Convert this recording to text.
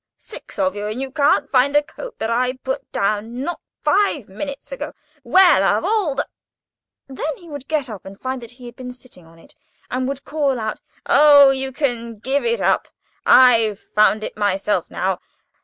Six of you!—and you can't find a coat that I put down not five minutes ago! Well, of all the—" Then he'd get up, and find that he had been sitting on it, and would call out: "Oh, you can give it up! I've found it myself now.